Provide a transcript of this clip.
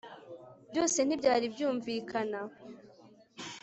Byose ntibyari byumvikana